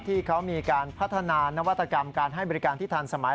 ที่เขามีการพัฒนานวัตกรรมการให้บริการที่ทันสมัย